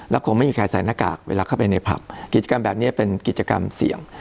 คงไม่มีใครใส่หน้ากากเวลาเข้าไปในผับกิจกรรมแบบนี้เป็นกิจกรรมเสี่ยง